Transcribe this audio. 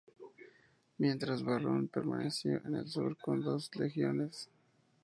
Mientras, Varrón permaneció en el sur con dos legiones.